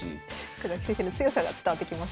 福崎先生の強さが伝わってきますね。